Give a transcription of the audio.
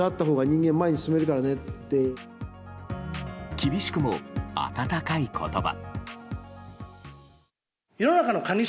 厳しくも温かい言葉。